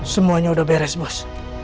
semuanya udah beres bos